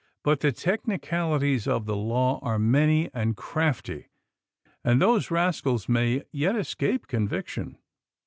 But the technicalities of the law are many and crafty, and these ras cals may yet escape conviction.